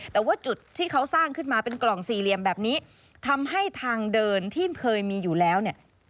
แต่ว่าจุดที่เขาสร้างขึ้นมาเป็นกล่องสี่เหลี่ยมแบบนี้ทำให้ทางเดินที่เคยมีอยู่แล้วเนี่ย